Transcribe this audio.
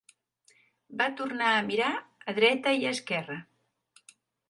Va tornar a mirar a dreta i esquerra.